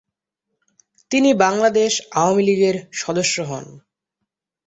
তিনি বাংলাদেশ আওয়ামী লীগের সদস্য হন।